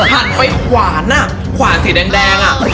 หันไปขวานแดง